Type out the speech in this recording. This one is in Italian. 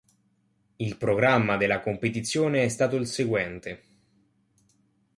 Il programma della competizione è stato il seguente.